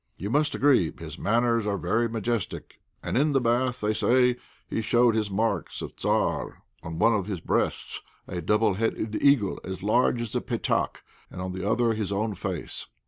You must agree; his manners are very majestic, and in the bath, they say, he showed his marks of Tzar on one of his breasts a double headed eagle as large as a pétak, and on the other his own face."